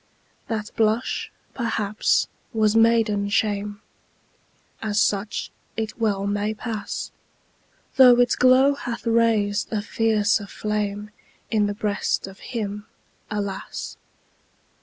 That blush, perhaps, was maiden shame As such it well may pass Though its glow hath raised a fiercer flame In the breast of him, alas!